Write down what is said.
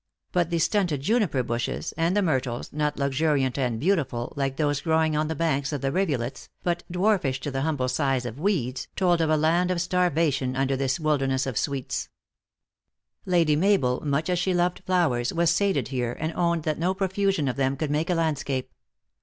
But the stunted juniper bushes, and the myrtles, not luxuriant and beautiful, like those grow ing on the banks of the rivulets, but dwarfish to the humble size of weeds, told of a land of starvation un der this wilderness of sweets. THE ACTRESS IN HIGH LIFE. 215 Lady Mabel, much as she loved flowers, was sated here, and owned that no profusion of them could make a landscape.